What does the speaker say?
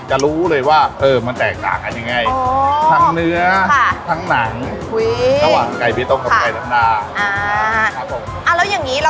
ตัวเมียจะหง่อนเล็กส่วนอันนี้ค่ะ